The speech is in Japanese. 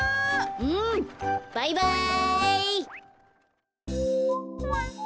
うんバイバイ！